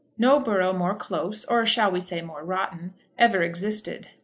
No borough more close, or shall we say more rotten, ever existed.